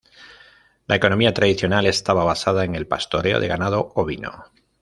La economía tradicional estaba basada en el pastoreo de ganado ovino.